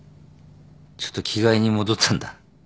ちょっと着替えに戻ったんだ。